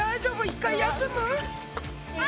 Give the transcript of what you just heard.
一回休む？